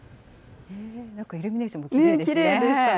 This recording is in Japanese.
なんか、イルミネーションもきれいでしたね。